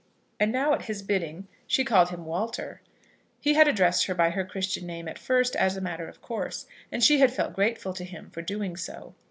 And now at his bidding she called him Walter. He had addressed her by her Christian name at first, as a matter of course, and she had felt grateful to him for doing so.